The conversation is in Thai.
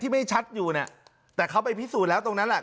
ไม่ชัดอยู่เนี่ยแต่เขาไปพิสูจน์แล้วตรงนั้นแหละ